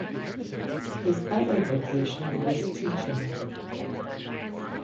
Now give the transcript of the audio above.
His other vocation was teaching.